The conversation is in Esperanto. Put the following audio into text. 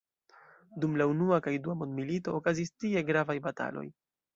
Dum la unua kaj dua mondmilitoj, okazis tie gravaj bataloj.